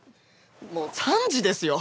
もう３時ですよ！？